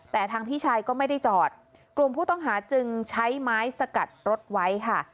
แต่ทางพี่ชายก็ไม่ได้จอดกลุ่มผู้ต้องหาจึงใช้ไม้สกัดรถไว้ค่ะ